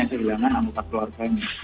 yang kehilangan amukat keluarganya